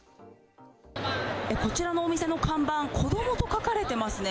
こちらのお店の看板、子どもと書かれてますね。